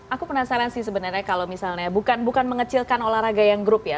aku penasaran sih sebenarnya kalau misalnya bukan mengecilkan olahraga yang grup ya